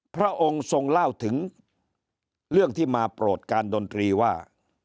พระองค์ทรงเล่าถึงเรื่องที่มาโปรดการดนตรีว่า